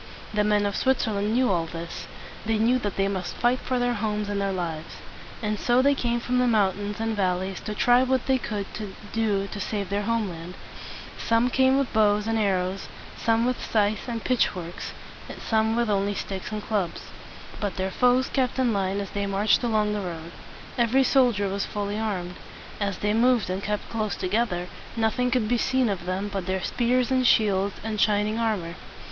The men of Switzerland knew all this. They knew that they must fight for their homes and their lives. And so they came from the mountains and valleys to try what they could do to save their land. Some came with bows and arrows, some with scythes and pitch forks, and some with only sticks and clubs. But their foes kept in line as they marched along the road. Every soldier was fully armed. As they moved and kept close together, nothing could be seen of them but their spears and shields and shining armor.